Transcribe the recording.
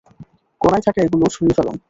কোণায় থাকা ওগুলো সরিয়ে ফেলুন।